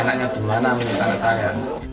anaknya di mana menurut anak saya